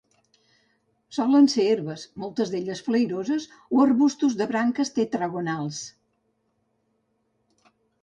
Solen ser herbes, moltes d'elles flairoses, o arbustos de branques tetragonals.